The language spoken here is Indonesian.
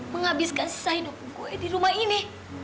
menghabiskan sisa hidup gue di rumah ini